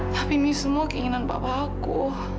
tapi ini semua keinginan bapak aku